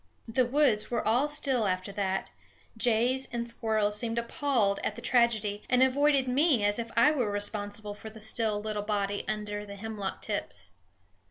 The woods were all still after that; jays and squirrels seemed appalled at the tragedy, and avoided me as if I were responsible for the still little body under the hemlock tips.